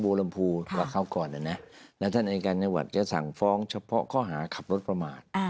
บูรมภูกว่าเขาก่อนเนี่ยนะแล้วท่านอาจารย์การณวัตรจะสั่งฟ้องเฉพาะข้อหาขับรถประมาท